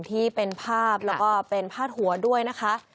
ที่เป็นภาพแล้วก็เป็นพาดหัวด้วยนะคะ